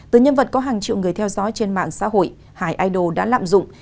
từ nhân vật có hàng triệu người theo dõi trên mạng xã hội hải idol đã lạm dụng